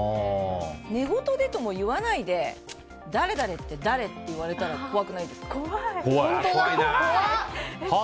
寝言でとも言わないで誰々って誰？って言われたら怖いな。は？